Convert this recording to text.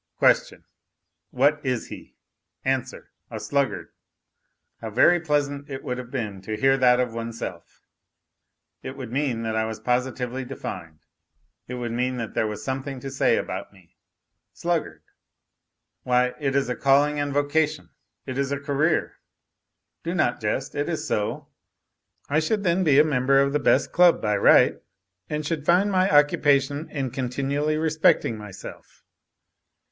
Question : What is he ? Answer : A sluggard ; how very pleasant it would have been to hear that of oneself ! It would mean that I was positively defined, it would mean that there was something to say about me. " Sluggard " why, it is a calling and vocation, it is a career. Do not jest, it is so. I should then be a member of the best club by right, and should find my occupation in continually respecting myself.